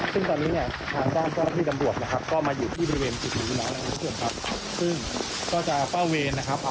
ซึ่งตอนนี้้านทางจะลาที่กำบวคก็มาอยู่ในบริเวณสิกที่วี่น้ำแล้วนะครับ